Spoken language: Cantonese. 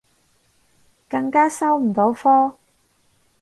更加收唔到科